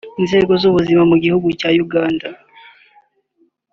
Inzego z’ubuzima mu gihu cya Uganda